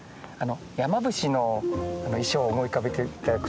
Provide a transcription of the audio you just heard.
山伏の衣装を思い浮かべて頂くと